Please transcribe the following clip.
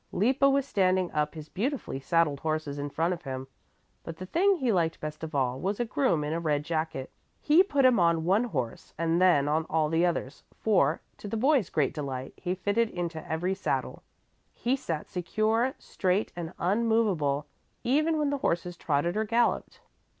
Lippo was standing up his beautifully saddled horses in front of him, but the thing he liked best of all was a groom in a red jacket. He put him first on one horse and then on all the others, for, to the boy's great delight, he fitted into every saddle. He sat secure, straight and immovable even when the horses trotted or galloped.